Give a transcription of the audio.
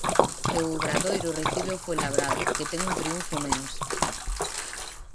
E o Obradoiro recibe o Fuenlabrada, que ten un triunfo menos.